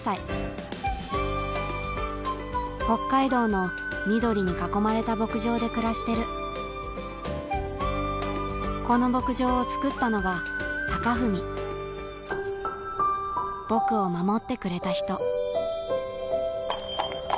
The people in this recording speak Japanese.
北海道の緑に囲まれた牧場で暮らしてるこの牧場を造ったのが崇文僕を守ってくれた人